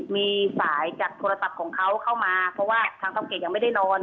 มีสายจากโทรศัพท์ของเขาเข้ามาเพราะว่าทางกำเกดยังไม่ได้นอน